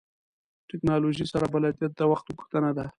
ټکنالوژۍ سره بلدیت د وخت غوښتنه ده.